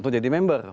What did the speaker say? untuk jadi member